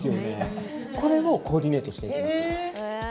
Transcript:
これをコーディネートしていきます。